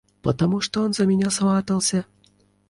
– Потому что он за меня сватался.